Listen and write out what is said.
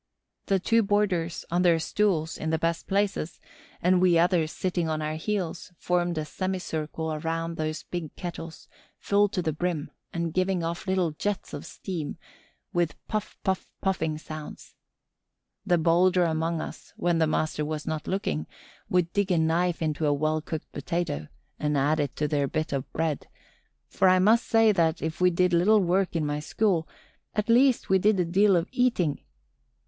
The two boarders, on their stools, in the best places, and we others sitting on our heels, formed a semicircle around those big kettles, full to the brim and giving off little jets of steam, with puff puff puffing sounds. The bolder among us, when the master was not looking, would dig a knife into a well cooked potato and add it to their bit of bread; for I must say that, if we did little work in my school, at least we did a deal of eating.